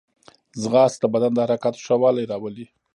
ځغاسته د بدن د حرکاتو ښه والی راولي